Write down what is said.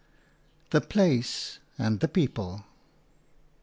THE PLACE AND THE PEOPLE.